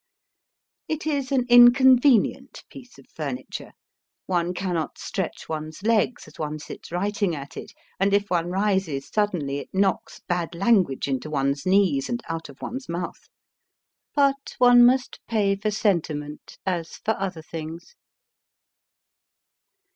It is an inconvenient piece of furniture. One cannot stretch one s legs as one sits writing at it, and if one rises suddenly it knocks bad language into one s knees and out of one s mouth. But one must pay for sentiment, as for other things.